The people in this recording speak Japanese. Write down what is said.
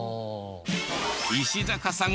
石坂さん